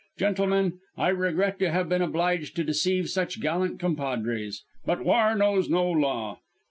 Gentlemen, I regret to have been obliged to deceive such gallant compadres; but war knows no law.'